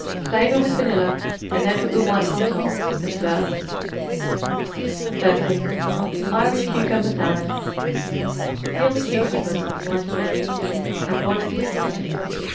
Flavor with vanilla and then put the whites on top and serve. 30. Irish Cucumber Salad. Peel the cucumbers and slice thin; add 1 onion sliced.